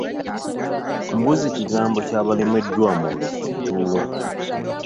Mbuze kigambo ky'abalemeddwa mu buli kimu.